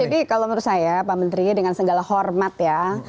ya jadi kalau menurut saya pak menteri dengan segala hormat ya